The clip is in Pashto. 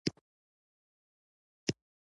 تهمت کول څه دي؟